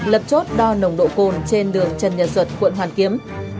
lập chốt đo nồng độ cồn trên đường trần nhật duật quận hoàn kiếm